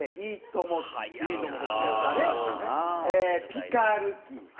ピカル期。